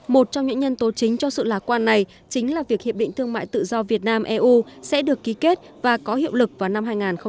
một trong những nhân tố chính cho sự lạc quan này chính là việc hiệp định thương mại tự do việt nam eu sẽ được ký kết và có hiệu lực vào năm hai nghìn hai mươi